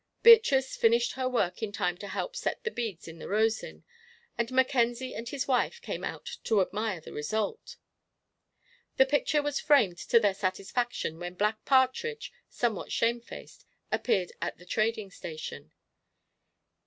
Beatrice finished her work in time to help set the beads in the rosin, and Mackenzie and his wife came out to admire the result. The picture was framed to their satisfaction when Black Partridge, somewhat shamefaced, appeared at the trading station.